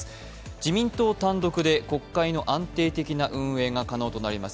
自民党単独で国会の安定的な運営が可能となります